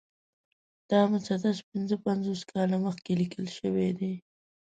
دا مسدس پنځه پنځوس کاله مخکې لیکل شوی دی.